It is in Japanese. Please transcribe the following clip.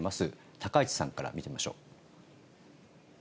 高市さんから見てみましょう。